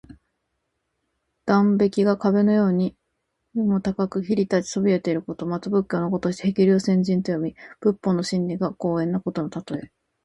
断崖が壁のように千仞も高く切り立ちそびえていること。また仏教の語として「へきりゅうせんじん」と読み、仏法の真理が高遠なことのたとえ。